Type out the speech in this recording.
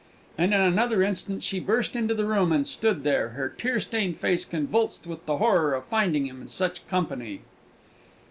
And in another instant she burst into the room, and stood there, her tear stained face convulsed with the horror of finding him in such company.